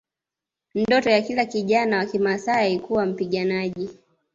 Ndoto ya kila kijana wa Kimaasai kuwa mpiganaji